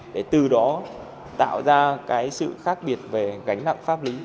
để từ đó tạo ra sự khác biệt về gánh lặng pháp lý